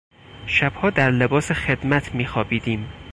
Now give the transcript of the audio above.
شبها در لباس خدمت میخوابیدیم.